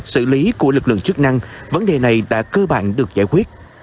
xử lý của lực lượng chức năng vấn đề này đã cơ bản được giải quyết